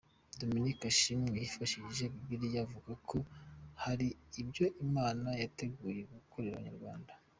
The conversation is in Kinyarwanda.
Dominic Ashimwe yifashishije Bibiliya avuga ko hari ibyo Imana yiteguye gukorera Abanyarwanda.